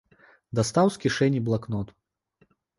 Дастаў з кішэні блакнот.